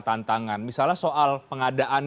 tantangan misalnya soal pengadaannya